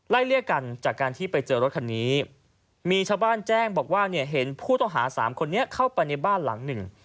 เรียกกันจากการที่ไปเจอรถคันนี้มีชาวบ้านแจ้งบอกว่าเนี่ยเห็นผู้ต้องหาสามคนนี้เข้าไปในบ้านหลังหนึ่ง